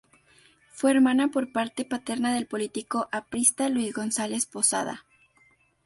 Fue hermana por parte paterna del político aprista Luis Gonzales Posada.